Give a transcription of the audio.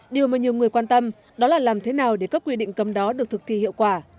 điều mà nhiều người quan tâm đó là làm thế nào để các quy định cấm đó được thực thi hiệu quả